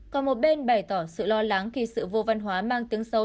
còn một bên bày tỏ sự lo lắng khi sự vô văn hóa mang tiếng xấu